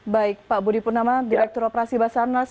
baik pak budi purnama direktur operasi basarnas